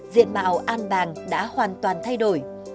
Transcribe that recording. diện mạo an bàng đã hoàn toàn thay đổi